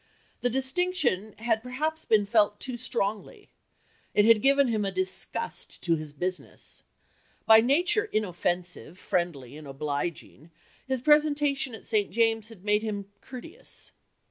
The distinction had perhaps been felt too strongly. It had given him a disgust to his business.... By nature inoffensive, friendly, and obliging, his presentation at St. James's had made him courteous."